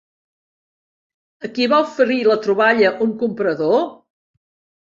A qui va oferir la troballa un comprador?